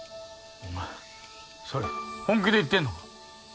お前それ本気で言ってんのか